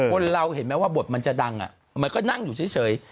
คนเราเห็นไหมว่าบทมันจะดังมันก็นั่งอยู่เฉย